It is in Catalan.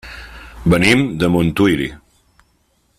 Venim de Montuïri.